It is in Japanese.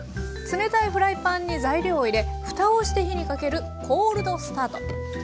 冷たいフライパンに材料を入れふたをして火にかけるコールドスタート。